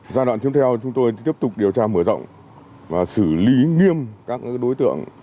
giai đoạn tiếp theo chúng tôi tiếp tục điều tra mở rộng và xử lý nghiêm các đối tượng